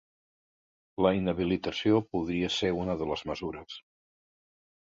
La inhabilitació podria ser una de les mesures